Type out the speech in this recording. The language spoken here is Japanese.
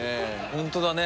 ホントだね。